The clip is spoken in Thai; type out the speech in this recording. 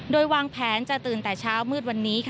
โดยวางแผนจะตื่นแต่เช้ามืดวันนี้